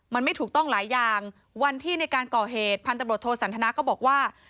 มันไม่ถูกต้องหลายอย่างวันที่ในการก่อเหตุพันธบทโทสันทนาก็บอกว่า